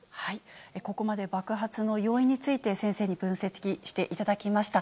ここまで、爆発の要因について、先生に分析していただきました。